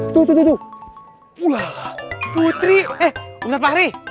putri adrian putri putri putri putri want